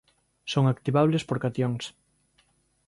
Son activables por catións.